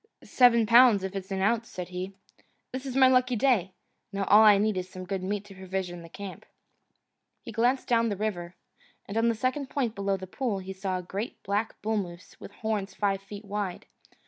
"Seven pounds if it's an ounce," said he. "This is my lucky day. Now all I need is some good meat to provision the camp." He glanced down the river, and on the second point below the pool he saw a great black bullmoose with horns five feet wide.